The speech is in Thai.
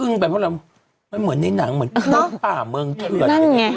ในหนังเหมือนกับป่าเมืองเถือน